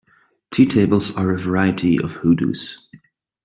Tea tables are a variety of hoodoos.